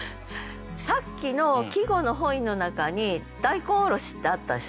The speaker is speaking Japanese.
さっきの季語の本意の中に「大根おろし」ってあったでしょ。